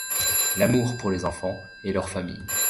L'amour pour les enfants et leur famille.